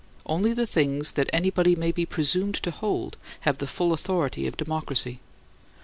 Only the things that anybody may be presumed to hold have the full authority of democracy.